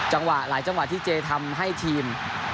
หลายจังหวะที่เจทำให้ทีม